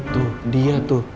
tuh dia tuh